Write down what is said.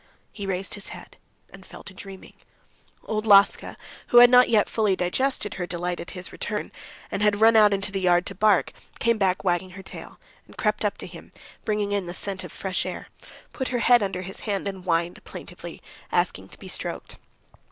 He raised his head, and fell to dreaming. Old Laska, who had not yet fully digested her delight at his return, and had run out into the yard to bark, came back wagging her tail, and crept up to him, bringing in the scent of fresh air, put her head under his hand, and whined plaintively, asking to be stroked.